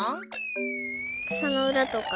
くさのうらとか？